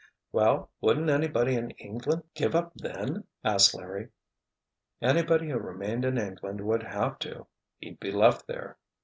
"Well, wouldn't anybody in England give up then?" asked Larry. "Anybody who remained in England would have to—he'd be left there.